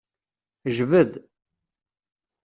Jbed.